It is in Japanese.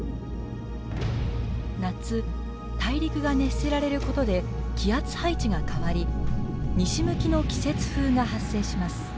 夏大陸が熱せられることで気圧配置が変わり西向きの季節風が発生します。